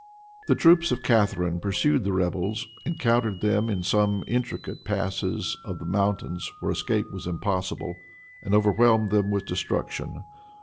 The troops of Catharine pursued the rebels, encountered them in some intricate passes of the mountains, whence escape was impossible, and overwhelmed them with destruction.